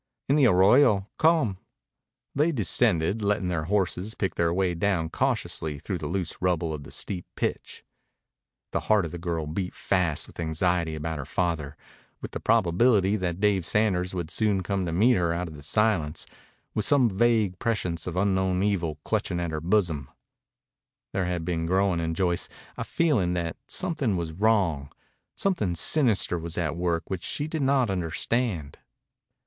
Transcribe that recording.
"In the arroyo. Come." They descended, letting the horses pick their way down cautiously through the loose rubble of the steep pitch. The heart of the girl beat fast with anxiety about her father, with the probability that David Sanders would soon come to meet her out of the silence, with some vague prescience of unknown evil clutching at her bosom. There had been growing in Joyce a feeling that something was wrong, something sinister was at work which she did not understand.